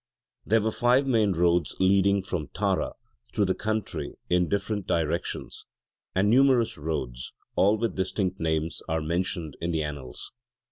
There were five main roads leading from Tara through the country in different directions: and numerous roads all with distinct names are mentioned in the annals.